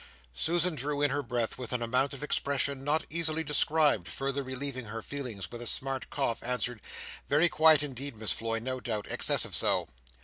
Susan drew in her breath with an amount of expression not easily described, further relieving her feelings with a smart cough, answered, "Very quiet indeed, Miss Floy, no doubt. Excessive so."